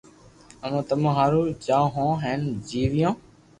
امي تمو ھارون جآوو ھون ھين جيويو